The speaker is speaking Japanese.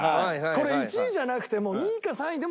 これ１位じゃなくても。